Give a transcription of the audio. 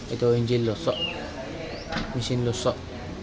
itu injil lusuk misin lusuk